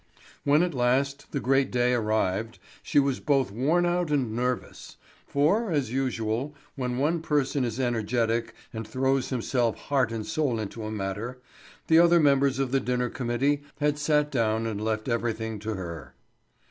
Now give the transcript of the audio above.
When at last the great day arrived she was both worn out and nervous; for, as usual when one person is energetic and throws himself heart and soul into a matter, the other members of the dinner committee had sat down and left everything to her.